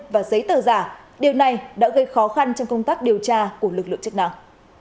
và giấy tờ giả điều này đã gây khó khăn trong công tác điều tra của lực lượng chức năng